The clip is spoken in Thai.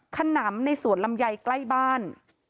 ขนำในสวนลำไยใกล้บ้าน